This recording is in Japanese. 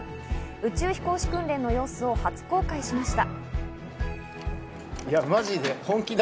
宇宙飛行士訓練の様子を初公開しました。